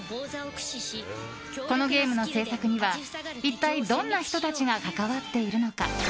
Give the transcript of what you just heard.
このゲームの制作には一体どんな人たちが関わっているのか。